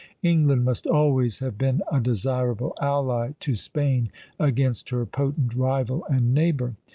England must always have been a desirable ally to Spain against her potent rival and neighbour.